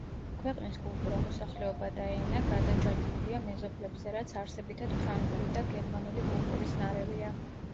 ქვეყნის კულტურა, მოსახლეობა და ენა, გადაჯაჭვულია მეზობლებზე, რაც არსებითად ფრანგული და გერმანული კულტურის ნარევია.